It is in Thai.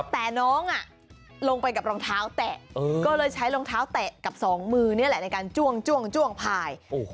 แต่น้องลงไปกับรองเท้าแตะก็เลยใช้รองเท้าแตะกับสองมือนี่แหละในการจ้วงพาย